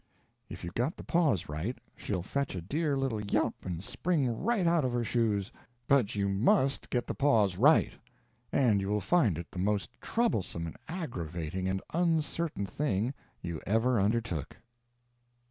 If you've got the _pause _right, she'll fetch a dear little yelp and spring right out of her shoes. But you _must _get the pause right; and you will find it the most troublesome and aggravating and uncertain thing you ever undertook.